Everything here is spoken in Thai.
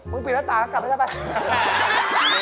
มึงปิดหน้าตากักกลับได้ไหม